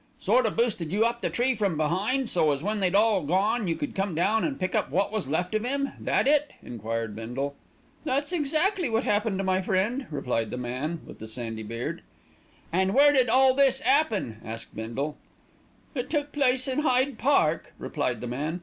"Sort o' boosted you up the tree from behind, so as when they'd all gone you could come down and pick up wot was left of 'im. That it?" enquired Bindle. "That is exactly what happened, my friend," replied the man with the sandy beard. "An' where did all this 'appen?" asked Bindle. "It took place in Hyde Park," replied the man.